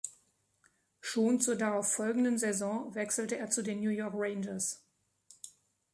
Schon zur darauf folgenden Saison wechselte er zu den New York Rangers.